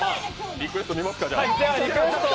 リクエスト見ますか、じゃあ。